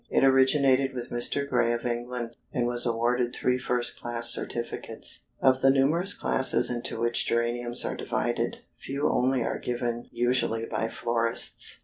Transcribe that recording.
It originated with Mr. Gray of England, and was awarded three first class certificates. [Illustration: BISHOP WOOD GERANIUM.] Of the numerous classes into which geraniums are divided, few only are given usually by florists.